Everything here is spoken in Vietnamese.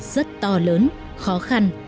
rất to lớn khó khăn